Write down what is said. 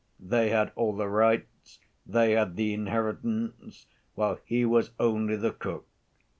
They had all the rights, they had the inheritance, while he was only the cook.